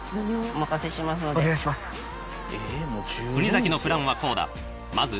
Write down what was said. お願いします。